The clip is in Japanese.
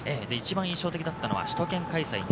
一番印象的だったのは首都圏開催